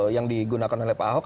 yang digunakan oleh pak ahok